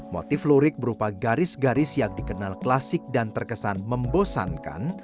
motif lurik berupa garis garis yang dikenal klasik dan terkesan membosankan